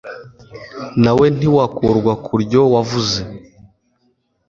Na we ntiwakurwa ku ryo wavuze,